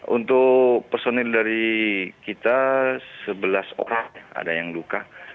untuk personil dari kita sebelas orang ada yang luka